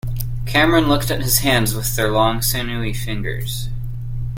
Cameron looked at his hands with their long, sinewy fingers.